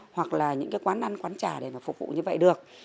hoặc là những quán ăn quán trà để phục vụ như vậy được